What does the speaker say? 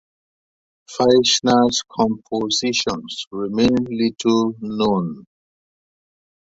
Feischner’s compositions remain little known.